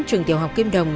trường tiểu học kim đồng